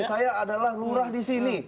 saya adalah lurah disini